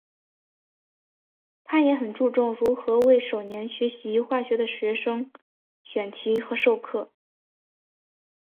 他也很注重如何为首年学习化学的学生选题和授课。